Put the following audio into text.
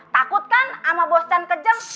takut kan sama bosan kejam